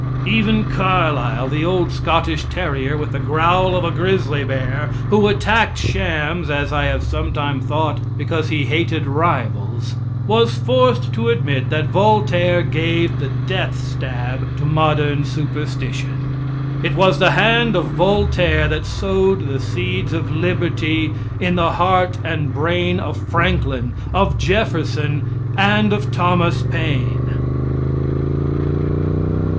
Even Carlyle, the old Scotch terrier, with the growl of a grizzly bear, who attacked shams, as I have sometime thought, because he hated rivals, was forced to admit that Voltaire gave the death stab to modern superstition. It was the hand of Voltaire that sowed the seeds of liberty in the heart and brain of Franklin, of Jefferson, and of Thomas Paine.